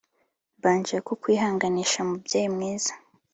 Mbanje kukwihanganisha mubyeyi mwiza